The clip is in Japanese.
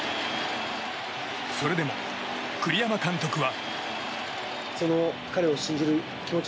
それでも、栗山監督は。